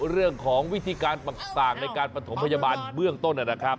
เรื่องของวิธีการปรักษาในการปฐมพยาบาลเบื้องต้น